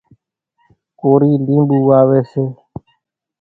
ڪورِي لينٻُو واويَ سي۔